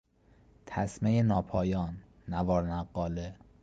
تسمهی ناپایان، نوار نقاله